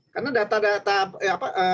karena data data perangkatnya